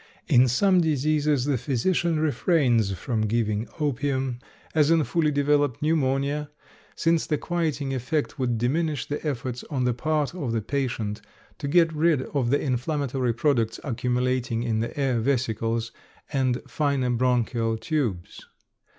In some diseases the physician refrains from giving opium, as in fully developed pneumonia, since the quieting effect would diminish the efforts on the part of the patient to get rid of the inflammatory products accumulating in the air vesicles and finer bronchial tubes.